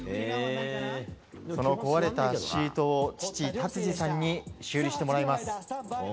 その壊れたシートを父・辰司さんに修理してもらいます。